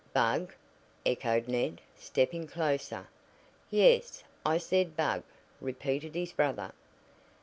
"Bug!" echoed Ned, stepping closer. "Yes, I said bug," repeated his brother.